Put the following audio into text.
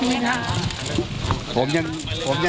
ไม่คิดเกี่ยวเลยครับ